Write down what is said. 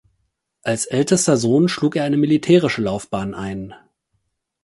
Als ältester Sohn schlug er eine militärische Laufbahn ein.